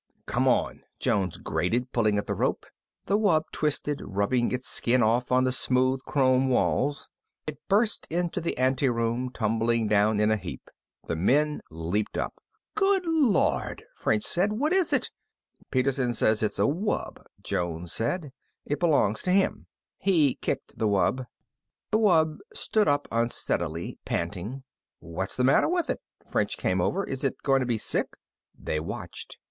"Come on," Jones grated, pulling at the rope. The wub twisted, rubbing its skin off on the smooth chrome walls. It burst into the ante room, tumbling down in a heap. The men leaped up. "Good Lord," French said. "What is it?" "Peterson says it's a wub," Jones said. "It belongs to him." He kicked at the wub. The wub stood up unsteadily, panting. "What's the matter with it?" French came over. "Is it going to be sick?" They watched.